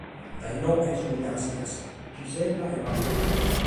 Dae inoghe sunt nàschidas Gisella e Marisa.